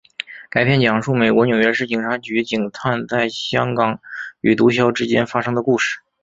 该片讲述美国纽约市警察局警探在香港与毒枭之间发生的故事。